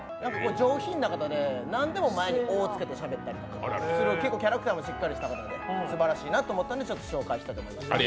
上品な方でなんでも前に「お」をつけてしゃべったりとか、キャラクターもしっかりした方ですばらしいなと思ったんで紹介します。